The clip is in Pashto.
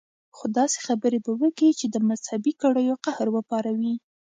خو داسې خبرې به وکي چې د مذهبي کړيو قهر وپاروي.